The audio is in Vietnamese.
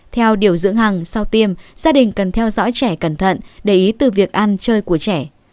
theo điều dưỡng hàng sau tiêm gia đình cần theo dõi trẻ cẩn thận để ý từ việc ăn chơi của trẻ